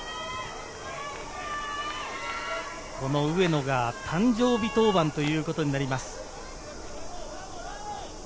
上野が誕生日登板ということになります。